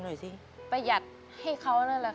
คุณหมอบอกว่าเอาไปพักฟื้นที่บ้านได้แล้ว